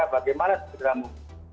bagaimana segera mungkin